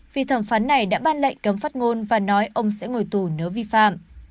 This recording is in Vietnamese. vì thẩm phán này đã ban lệnh cấm phát ngôn và nói ông sẽ ngồi tù nếu vi phạm